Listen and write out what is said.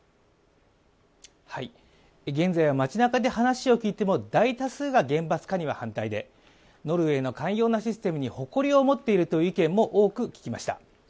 現在は街なかで話を聞いても大多数が厳罰化には反対で、ノルウェーの寛容なシステムに誇りを持っているという意見も大きく聞きました。